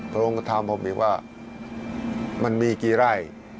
โรงก็ถามผมอีกว่ามันมีกี่ไร่